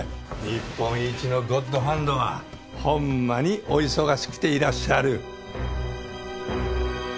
日本一のゴッドハンドはほんまにお忙しくていらっしゃる。